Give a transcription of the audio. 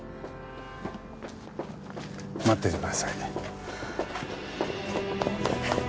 待っててくださいね。